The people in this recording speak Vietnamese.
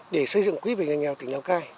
để xây dựng quỹ vì người nghèo tỉnh lào cai